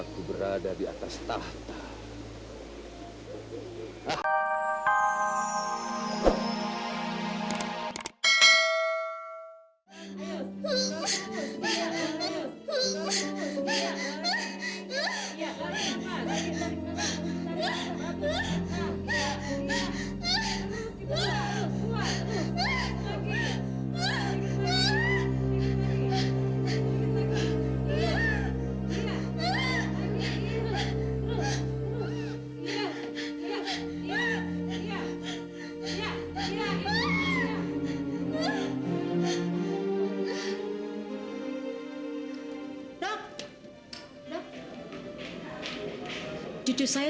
aku berada di atas tahta